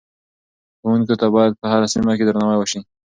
ښوونکو ته باید په هره سیمه کې درناوی وشي.